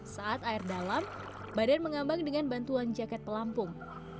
saat air dalam badan mengambang dengan bantuan jaket pelampung